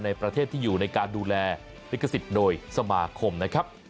ในประเทศที่อยู่ในการดูแลลิขสิทธิ์โดยสมาคมนะครับ